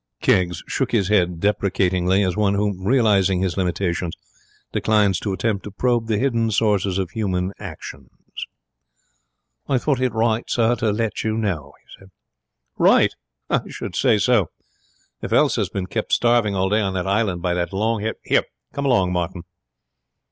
Keggs shook his head deprecatingly, as one who, realizing his limitations, declines to attempt to probe the hidden sources of human actions. 'I thought it right, sir, to let you know,' he said. 'Right? I should say so. If Elsa has been kept starving all day on that island by that long haired Here, come along, Martin.'